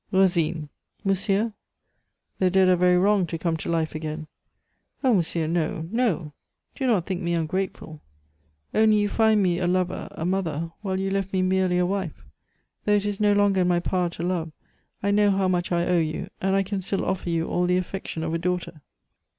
"Rosine." "Monsieur?" "The dead are very wrong to come to life again." "Oh, monsieur, no, no! Do not think me ungrateful. Only, you find me a lover, a mother, while you left me merely a wife. Though it is no longer in my power to love, I know how much I owe you, and I can still offer you all the affection of a daughter."